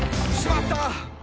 「しまった！